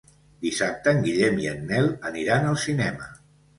Dissabte en Guillem i en Nel aniran al cinema.